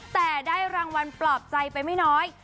แต่ได้รางวัลปลอบใจไปไม่น้อย